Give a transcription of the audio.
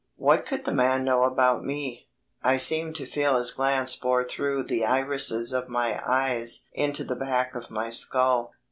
What could the man know about me? I seemed to feel his glance bore through the irises of my eyes into the back of my skull.